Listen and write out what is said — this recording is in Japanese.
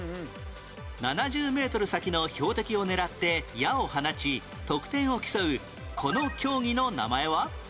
７０メートル先の標的を狙って矢を放ち得点を競うこの競技の名前は？